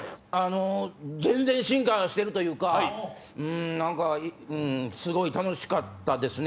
全然進化してるというかすごい楽しかったですね。